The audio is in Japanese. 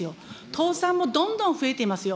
倒産もどんどん増えていますよ。